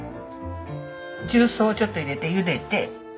重曹をちょっと入れてゆでて。